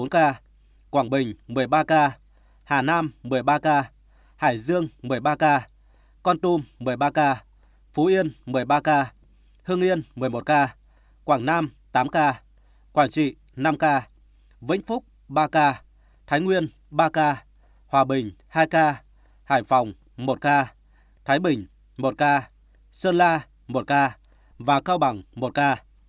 một mươi bốn ca quảng bình một mươi ba ca hà nam một mươi ba ca hải dương một mươi ba ca con tum một mươi ba ca phú yên một mươi ba ca hương yên một mươi một ca quảng nam tám ca quảng trị năm ca vĩnh phúc ba ca thái nguyên ba ca hòa bình hai ca hải phòng một ca thái bình một ca sơn la một ca và cao bằng một ca